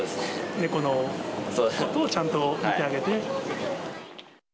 猫のことをちゃんと見てあげて。